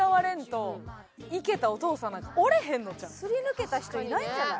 すり抜けた人いないんじゃない？